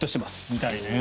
みたいね。